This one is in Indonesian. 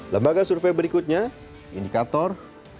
lembaga survei berikutnya indikator